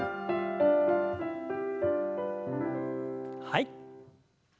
はい。